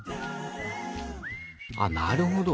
あっなるほど。